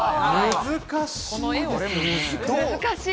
難しい。